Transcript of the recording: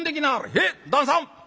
「へえ旦さん！」。